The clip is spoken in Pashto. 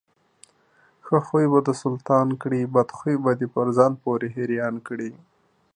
ښه خوى به دسلطان کړي، بدخوى به دپرځان پورې حيران کړي.